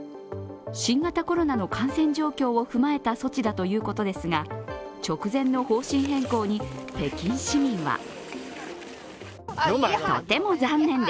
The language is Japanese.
新型コロナの感染状況を踏まえた措置だということですが直前の方針変更に北京市民は